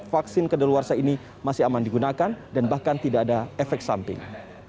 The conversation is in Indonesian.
vaksin kedaluarsa ini masih aman digunakan dan bahkan tidak ada efek samping